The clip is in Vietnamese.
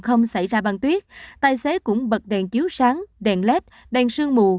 không xảy ra băng tuyết tài xế cũng bật đèn chiếu sáng đèn led đèn sương mù